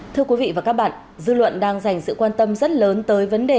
thưa quý vị và các bạn dư luận đang dành sự quan tâm rất lớn tới vấn đề